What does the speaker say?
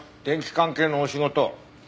電気関係のお仕事？